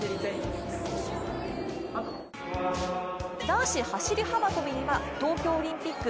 男子走幅跳には東京オリンピック